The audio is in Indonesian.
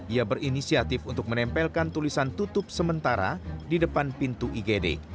ia berinisiatif untuk menempelkan tulisan tutup sementara di depan pintu igd